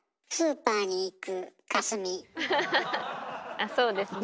あそうですね。